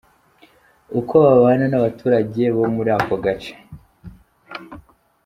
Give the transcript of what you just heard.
Uko babana n’abaturage bo muri ako gace.